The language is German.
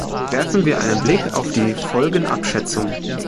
Werfen wir einen Blick auf die Folgenabschätzung.